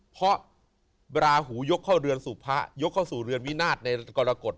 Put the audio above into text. เพราะราหูยกเข้าเรือนสู่พระยกเข้าสู่เรือนวินาศในกรกฎ